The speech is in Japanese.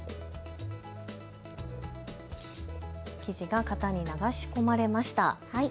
生地が型に流し込まれました。